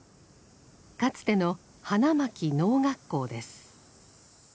かつての花巻農学校です。